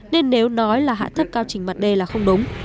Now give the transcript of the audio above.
nên nếu nói là hạ thấp cao trình mặt đê là không đúng